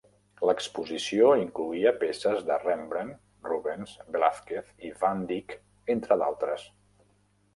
L'exposició incloïa peces de Rembrandt, Rubens, Velázquez i Van Dyck, entre d'altres.